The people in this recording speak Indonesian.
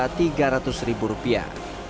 rakesh mencoba mencoba tiga ratus ribu rupiah